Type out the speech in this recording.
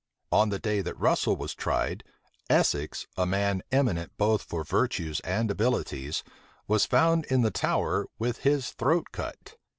On the day that Russel was tried, Essex, a man eminent both for virtues and abilities, was found in the Tower with his throat cut.